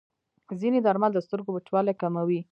ځینې درمل د سترګو وچوالی کموي.